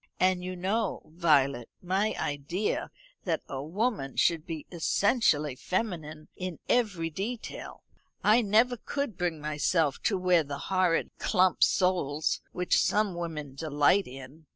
And you know, Violet, my idea that a woman should be essentially feminine in every detail. I never could bring myself to wear the horrid clump soles which some women delight in.